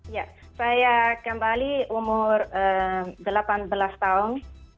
ya saya kembali umur delapan belas tahun